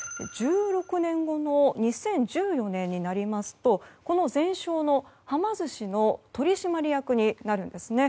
１６年後の２０１４年になりますとこのゼンショーのはま寿司の取締役になるんですね。